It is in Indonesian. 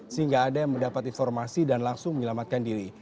sehingga ada yang mendapat informasi dan langsung menyelamatkan diri